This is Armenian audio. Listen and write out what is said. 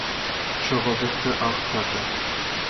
ժողովուրդը աղքատ է: